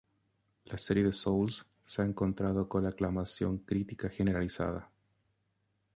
La serie de Souls se ha encontrado con la aclamación crítica generalizada.